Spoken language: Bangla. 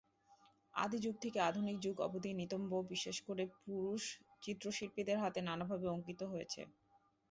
আদি যুগ থেকে আধুনিক যুগ অবধি নিতম্ব বিশেষ করে পুরুষ চিত্রশিল্পীদের হাতে নানাভাবে অঙ্কিত হয়েছে।